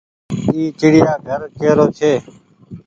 اي ڇڙيآ گهر ڪي رو ڇي۔